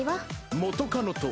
元カノと。